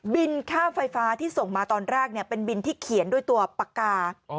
ค่าไฟฟ้าที่ส่งมาตอนแรกเป็นบินที่เขียนด้วยตัวปากกา